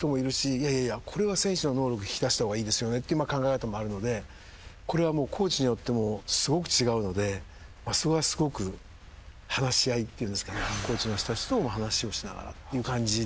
いやいやこれは選手の能力引き出した方がいいですよねっていう考え方もあるのでこれはコーチによってもすごく違うのでそこがすごく話し合いっていうんですかねコーチの人たちと話をしながらっていう感じですね